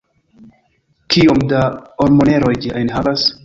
kiom da ormoneroj ĝi enhavas?